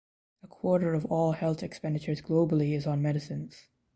A quarter of all health expenditures globally is on medicines.